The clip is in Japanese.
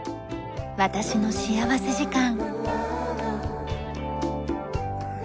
『私の幸福時間』。